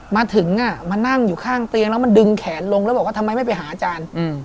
มาถึงมานั่งอยู่ข้างเตียงแล้วมันดึงแขนลงแล้วบอกว่าทำไมไม่ไปหาอาจารย์